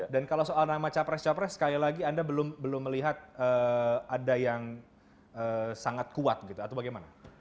dan kalau soal nama capres capres sekali lagi anda belum melihat ada yang sangat kuat gitu atau bagaimana